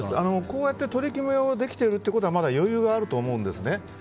こうやって取り決めをできているのはまだ余裕があると思うんですね。